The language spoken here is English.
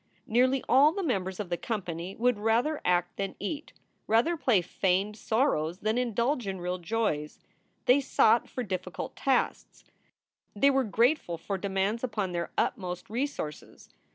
Nearly all the members of the company would rather act than eat, rather play feigned sorrows than indulge in real joys. They sought for difficult tasks, they were grateful for demands upon their utmost resources.